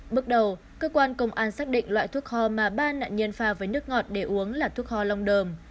bước đầu cơ quan công an xác định loại thuốc kho mà ba nạn nhân pha với nước ngọt để uống là thuốc hò long đờm